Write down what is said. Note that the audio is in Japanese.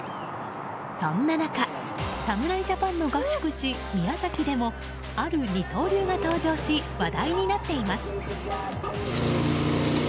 そんな中、侍ジャパンの合宿地宮崎でもある二刀流が登場し話題になっています。